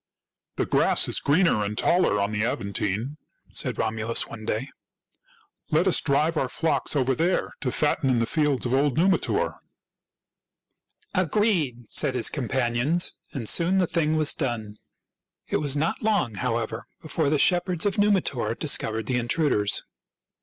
" The grass is greener and taller on the Aven tine," said Romulus one day. " Let us drive our flocks over there to fatten in the fields of old Numitor." HOW ROME WAS FOUNDED 189 " Agreed !" said his companions ; and soon the thing was done. It was not long, however, before the shepherds of Numitor discovered the intruders.